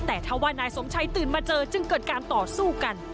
แต่ถ้าว่านายสมชัยตื่นมาเจอจึงเกิดการต่อสู้กัน